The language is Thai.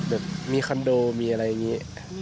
แบบมีคอนโดมีอะไรอย่างนี้